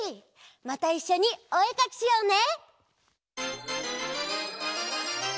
またいっしょにおえかきしようね！